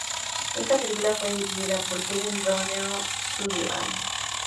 Esta película fue dirigida por Kevin Rodney Sullivan.